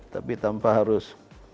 tapi tanpa harus